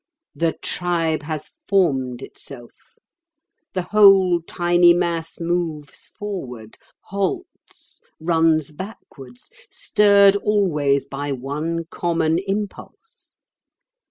The Tribe has formed itself. The whole tiny mass moves forward, halts, runs backwards, stirred always by one common impulse.